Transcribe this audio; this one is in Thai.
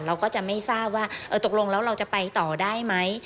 เราก็จะไม่ทราบว่าตกลงแล้วเราจะไปต่อได้ไหม